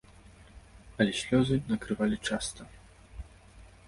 Але слёзы накрывалі часта.